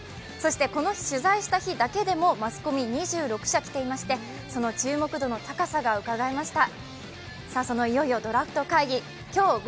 この取材した日だけでもマスコミ２６社来ていましてその注目度の高さがうかがえました。